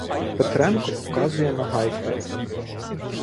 Петренко показує нагайкою: